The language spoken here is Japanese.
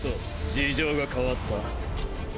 事情が変わった。